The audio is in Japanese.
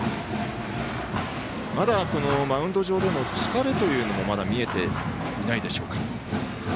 まだ、このマウンド上でも疲れというのもまだ見えていないでしょうか。